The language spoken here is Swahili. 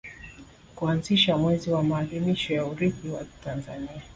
kuanzisha mwezi wa maadhimisho ya Urithi wa Mtanzania